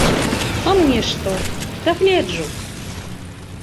А мне што, дагледжу.